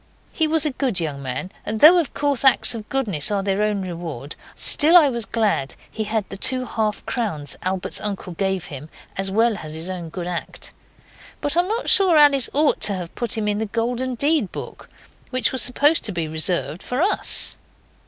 He was a good young man, and though, of course, acts of goodness are their own reward, still I was glad he had the two half crowns Albert's uncle gave him, as well as his own good act. But I am not sure Alice ought to have put him in the Golden Deed book which was supposed to be reserved for Us.